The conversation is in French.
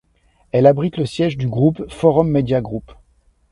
Elle abrite le siège du groupe Forum Media Group.